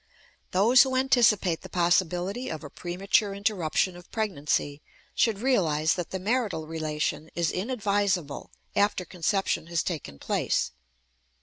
Those who anticipate the possibility of a premature interruption of pregnancy should realize that the marital relation is inadvisable after conception has taken place.